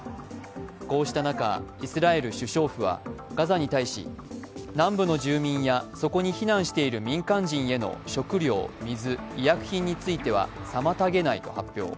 こうした中イスラエル首相府はガザに対し南部の住民やそこに避難している民間人への食料、水、医薬品については妨げないと発表。